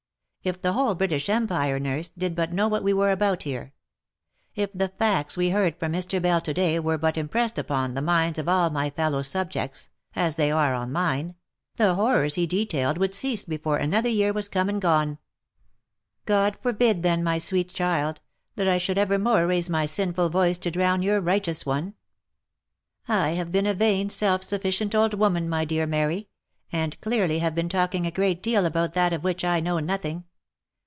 If the whole British empire, nurse, did but know what we are about here — if the facts we heard from Mr. Bell to day were but impressed upon the minds of all my fellow subjects as they are on mine, the horrors he detailed would cease before another year was come and gone." 222 THE LIFE AND ADVENTURES " God forbid then, my sweet child, that I should ever more raise my sinful voice to drown your righteous one. I have been a vain self sufficient old woman, my dear Mary, and clearly have been talking a great deal about that of which I know nothing.